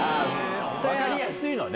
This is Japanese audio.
分かりやすいのね。